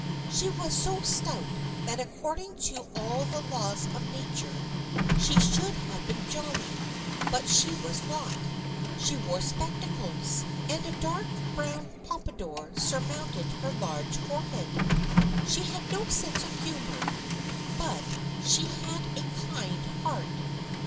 She was so stout that according to all the laws of nature she should have been jolly, but she was not. She wore spectacles, and a dark brown pompadour surmounted her large forehead. She had no sense of humor, but she had a kind heart.